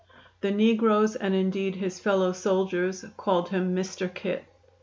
The negroes, and indeed his fellow soldiers, called him "Mr. Kit!"